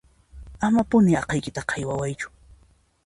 Amapuni aqhaykitaqa haywawaychu